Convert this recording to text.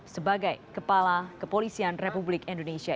sebagai kepala kepolisian republik indonesia